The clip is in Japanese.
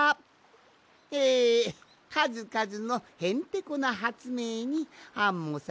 えかずかずのへんてこなはつめいにアンモさんたいへんまよいました！